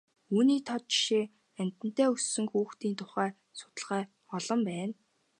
Үүний тод жишээ амьтантай өссөн хүүхдийн тухай судалгаа олон байна.